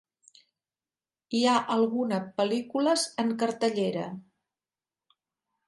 hi ha alguna pel·lícules en cartellera